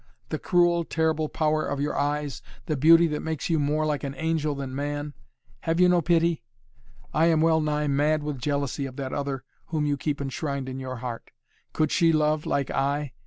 The cruel terrible power of your eyes, the beauty that makes you more like an angel than man? Have you no pity? I am well nigh mad with jealousy of that other whom you keep enshrined in your heart! Could she love, like I?